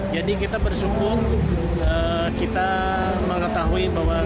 jadi kita bersyukur kita mengetahui bahwa keluarga